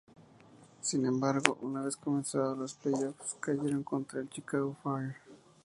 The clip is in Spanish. Sin embargo, una vez comenzados los playoffs, cayeron contra el Chicago Fire.